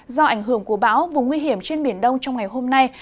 do ảnh hưởng của bão vùng nguy hiểm trên biển đông trong ngày hôm nay